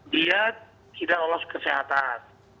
dia tidak lolos kesehatan